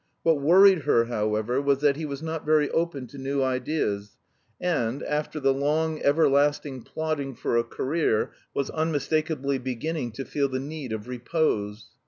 What worried her, however, was that he was not very open to new ideas, and after the long, everlasting plodding for a career, was unmistakably beginning to feel the need of repose.